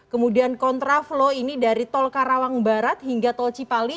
kemudian kontraflow ini dari tol karawang barat hingga tol cipali